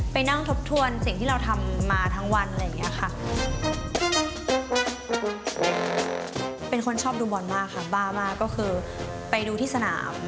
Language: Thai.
เป็นคนชอบดูบอลมากค่ะบ้ามากก็คือไปดูที่สนาม